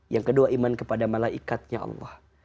yang kedua iman kepada malaikatnya allah